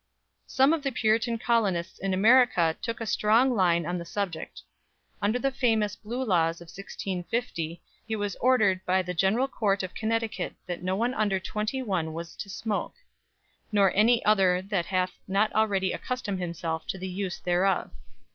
Some of the Puritan colonists in America took a strong line on the subject. Under the famous "Blue Laws" of 1650 it was ordered by the General Court of Connecticut that no one under twenty one was to smoke "nor any other that hath not already accustomed himself to the use thereof."